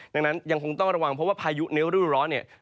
ดังนั้นยังคงต้องระวังเพราะว่าพายุในรูดร้อนเนี่ย